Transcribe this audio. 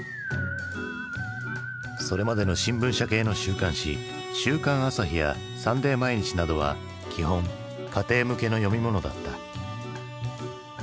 それまでの新聞社系の週刊誌「週刊朝日」や「サンデー毎日」などは基本家庭向けの読み物だった。